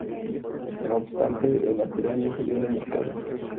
No obstante, el material no salió al mercado.